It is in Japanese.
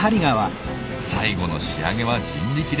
最後の仕上げは人力で。